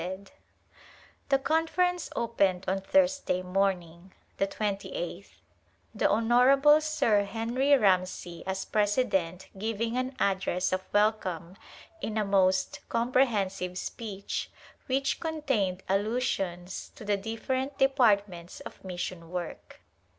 [•41] A Glimpse of India The Conference opened on Thursday morning, the twenty eighth, the Hon. Sir Henry Ramsay as presi dent giving an address of welcome in a most compre hensive speech, which contained allusions to the dif ferent departments of mission work.